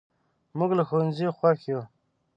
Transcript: موږ له ښوونځي خوښ یو.